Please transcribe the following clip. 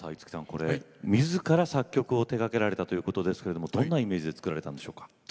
これはみずから作曲を手がけられたということですけれどどんなイメージで作られたんですか。